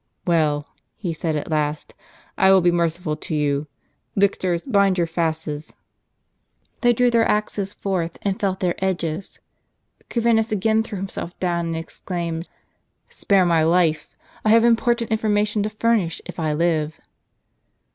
" Well," he said at last, " I will be merciful to you. Lictors, bind your fasces." They drew their axes forth, and felt their edges. Corvinus again threw^ himself down, and exclaimed :" Spare my life ; I have important information to furnish, if I live."